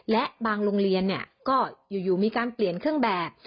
และบางโรงเรียนก็อยู่มีการเปลี่ยนเครื่องแบบ